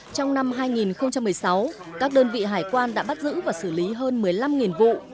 trong năm hai nghìn một mươi sáu các đơn vị hải quan đã bắt giữ và xử lý hơn một mươi năm vụ